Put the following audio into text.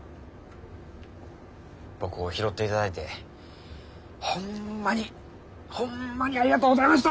僕を拾っていただいてホンマにホンマにありがとうございました！